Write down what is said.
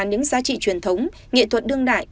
những giá trị truyền thống nghệ thuật đương đại